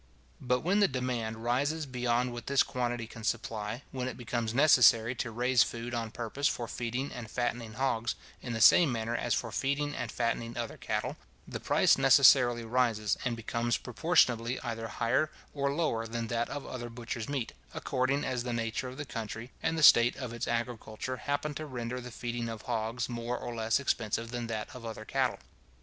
But when the demand rises beyond what this quantity can supply, when it becomes necessary to raise food on purpose for feeding and fattening hogs, in the same manner as for feeding and fattening other cattle, the price necessarily rises, and becomes proportionably either higher or lower than that of other butcher's meat, according as the nature of the country, and the state of its agriculture, happen to render the feeding of hogs more or less expensive than that of other cattle.